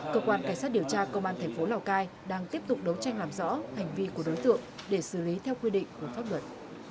cơ quan cảnh sát điều tra công an thành phố lào cai đang tiếp tục đấu tranh làm rõ hành vi của đối tượng để xử lý theo quy định của pháp luật